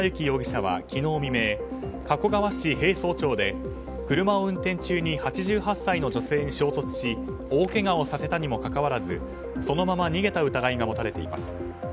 容疑者は昨日未明加古川市平荘町で車を運転中に８８歳の女性に衝突し大けがをさせたにもかかわらずそのまま逃げた疑いが持たれています。